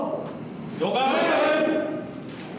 了解。